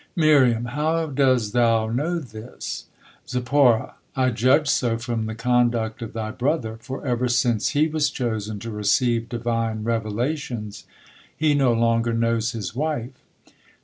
'" Miriam: "How does thou know this?" Zipporah: "I judge so from the conduct of thy brother, for ever since he was chosen to receive Divine revelations, he no longer knows his wife."